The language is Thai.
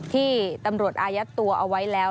ที่ตำรวจอายัดตัวเอาไว้แล้ว